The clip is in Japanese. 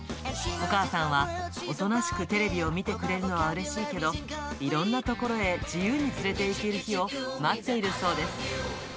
お母さんは、おとなしくテレビを見てくれるのはうれしいけど、いろんな所へ自由に連れていける日を待っているそうです。